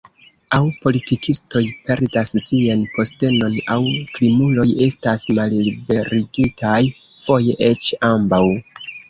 Aŭ politikistoj perdas sian postenon, aŭ krimuloj estas malliberigitaj, foje eĉ ambaŭ.